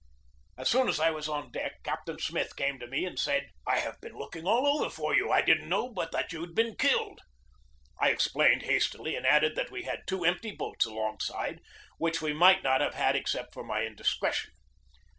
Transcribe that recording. As soon as I was on deck Captain Smith came to me and said: "I have been looking all over for you. I didn't know but that you had been killed." I explained hastily, and added that we had two empty boats alongside, which we might not have had except for my indiscretion.